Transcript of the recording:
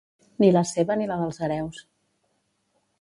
Ni la seva ni la dels hereus.